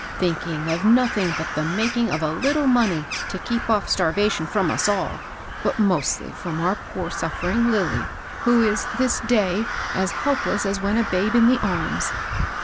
— thinking of nothing but the making of a little money to keep off starv ation from us all, but mostly from our poor, suf fering Lilly, who is, this day^ a^ WV^Vi^^ ^fi^ ^'^^s^ ^ 246 HABBL BOSS. . babe in the arms.